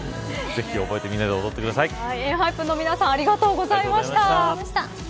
ぜひ覚えてＥＮＨＹＰＥＮの皆さんありがとうございました。